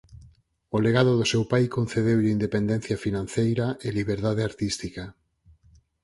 O legado do seu pai concedeulle independencia financeira e liberdade artística.